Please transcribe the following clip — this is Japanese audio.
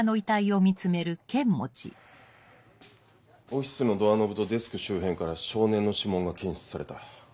オフィスのドアノブとデスク周辺から少年の指紋が検出された。